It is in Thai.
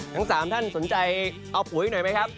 ทั้ง๓ท่านสนใจเอาปุ๋ยหน่อยไหมครับ